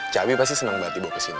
cabi pasti seneng banget dibawa kesini